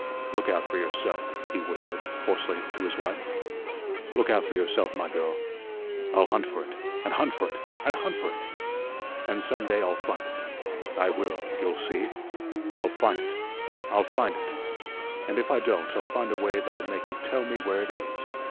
"Look out for yourself," he whispered, hoarsely, to his wife. "Look out for yourself, my girl. I'll hunt for it, and hunt for it, and hunt for it, and some day I'll find it I will, you'll see I'll find it, I'll find it; and if I don't, I'll find a way that'll make you tell me where it is.